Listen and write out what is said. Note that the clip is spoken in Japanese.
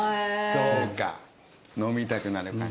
そうか飲みたくなる感じ。